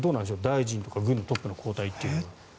大臣とか軍トップの交代というのは。